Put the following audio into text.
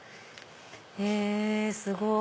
へぇすごい！